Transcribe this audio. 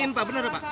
benar pak benar pak